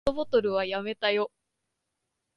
ペットボトルはやめたよ。